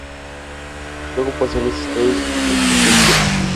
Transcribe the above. Luego pasó a los Estados Pontificios.